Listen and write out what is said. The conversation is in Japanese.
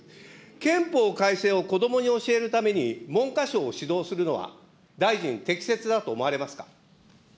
憲法改正を子どもに教えるために、文科省を指導するのは、大臣、適切だと思われますか。